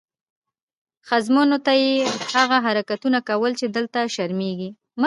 ښځمنو ته یې هغه حرکتونه کول چې دلته شرمېږم.